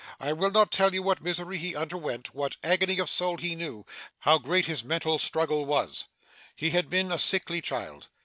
I will not tell you what misery he underwent, what agony of soul he knew, how great his mental struggle was. He had been a sickly child.